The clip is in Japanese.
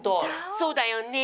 そうだよね。